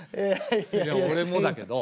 いやおれもだけど。